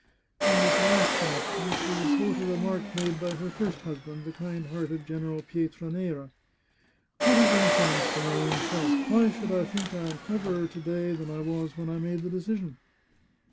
In this last connection she would quote a remark made by her first husband, the kind hearded General Pietra nera. " What an insolence to my own self ! Why should I think I am cleverer to day than I was when I made the de cision